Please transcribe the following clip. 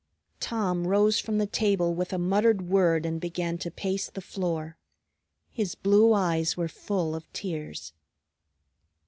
Tom rose from the table with a muttered word and began to pace the floor. His blue eyes were full of tears.